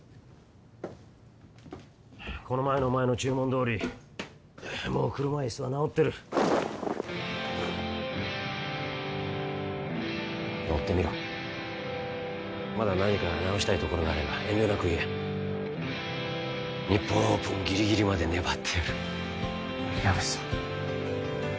この前のお前の注文どおりもう車いすは直ってる乗ってみろまだ何か直したいところがあれば遠慮なく言え日本オープンギリギリまで粘ってやる矢部さん